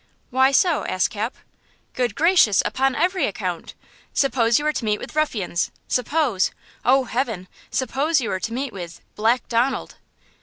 "Why so?" asked Cap. "Good gracious, upon every account! Suppose you were to meet with ruffians; suppose–oh, heaven!–suppose you were to meet with–Black Donald!"